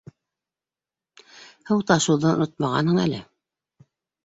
— Һыу ташыуҙы онотмағанһың әле.